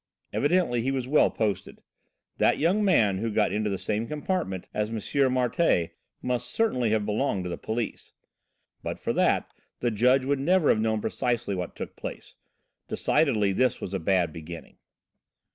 Evidently he was well posted. That young man who got into the same compartment as M. Martialle must certainly have belonged to the police. But for that the judge would never have known precisely what took place. Decidedly this was a bad beginning.